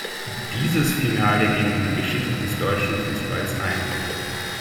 Dieses Finale ging in die Geschichte des Deutschen Fußballs ein.